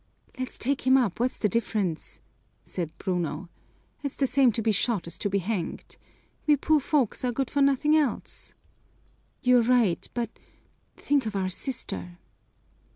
"Let's take him up, what's the difference?" said Bruno. "It's the same to be shot as to be hanged. We poor folks are good for nothing else." "You're right but think of our sister!"